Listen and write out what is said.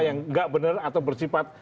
yang nggak benar atau bersifat